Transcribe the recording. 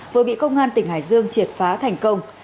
vừa bị công an tỉnh hải dương triệt phá thành công